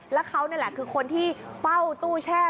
แล้วเขานี่แหละคือคนที่เฝ้าตู้แช่